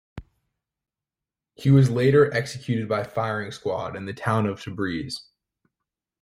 He was later executed by firing squad in the town of Tabriz.